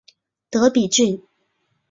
德比郡。